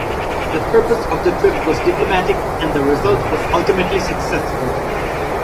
The purpose of the trip was diplomatic and the result was ultimately successful.